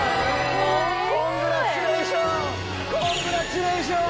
コングラチュレーション！